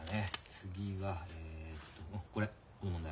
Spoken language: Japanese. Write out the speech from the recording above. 次がえっとこれこの問題。